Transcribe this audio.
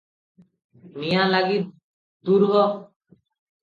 ନିଆଁଲାଗି, ଦୂର ହୋ!